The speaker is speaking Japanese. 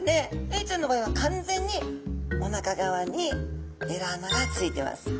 エイちゃんの場合は完全におなか側にエラ穴がついてます。